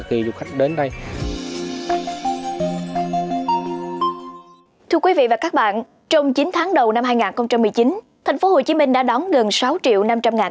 thưa quý vị và các bạn trong chín tháng đầu năm hai nghìn một mươi chín thành phố hồ chí minh đã đóng gần sáu triệu năm trăm linh ngàn